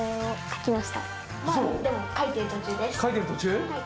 描いてる途中？